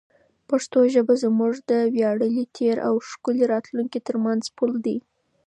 پښتو ژبه زموږ د ویاړلي تېر او ښکلي راتلونکي ترمنځ پل دی.